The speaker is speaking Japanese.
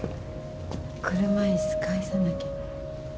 車椅子返さなきゃ。